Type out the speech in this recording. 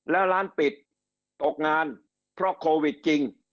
แล้วร้านปิดตกงานเพราะโควิดจริง